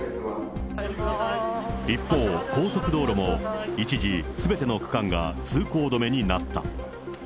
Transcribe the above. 一方、高速道路も一時、すべての区間が通行止めになった。